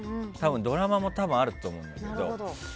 ドラマも多分、あると思うんだけど。